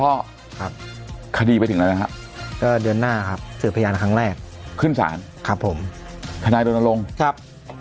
ครับคดีไปถึงแล้วครับ